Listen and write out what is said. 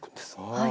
はい。